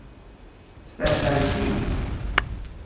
Tesfeεfεemt-iyi!